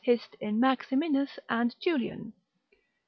hist. in Maximinus and Julian.